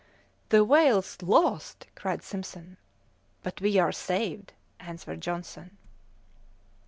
"The whale's lost!" cried Simpson. "But we are saved!" answered Johnson.